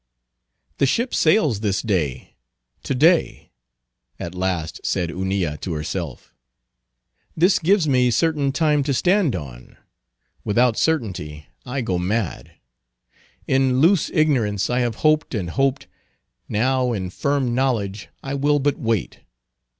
—"The ship sails this day, to day," at last said Hunilla to herself; "this gives me certain time to stand on; without certainty I go mad. In loose ignorance I have hoped and hoped; now in firm knowledge I will but wait.